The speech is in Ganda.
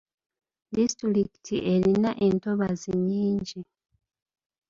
Disitulikiti erina entobazi nnyingi.